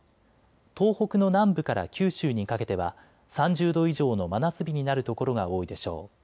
東北の南部から九州にかけては３０度以上の真夏日になる所が多いでしょう。